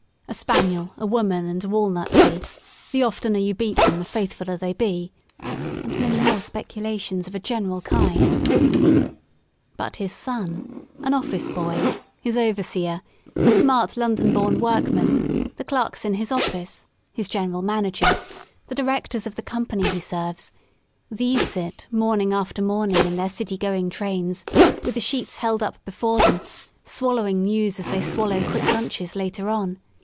.•. A spaniel, a woman, and a walnut tree, the ofter you beat 'em the faithful ler they be ■*— and many more speculations of a general kind. But his son, an office boy, his overseer, a smart London born workman, the clerks in his office, his general manager, the directors of the Company he serves; these sit morning after morning in their city going trains, with the sheets held up before them, swallowing '* news " as they swallow quick lunches later on.